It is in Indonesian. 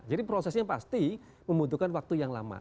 jadi prosesnya pasti membutuhkan waktu yang lama